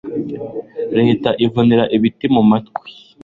leta ivunira ibiti mu matwi